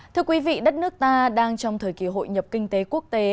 thưa quý vị đất nước ta đang trong thời kỳ hội nhập kinh tế quốc tế